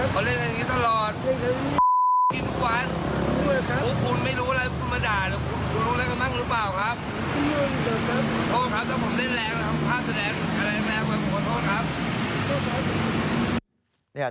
โทษครับแต่ผมได้แรงพลาดแสดงของผู้โทษครับ